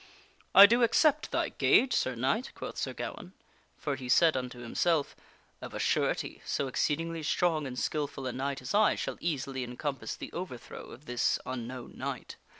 " I do accept thy gage, Sir Knight," quoth Sir Gawaine. For he said unto himself, " Of a surety, so exceedingly strong and skilful a knight as I shall easily encompass the overthrow of this unknown knight."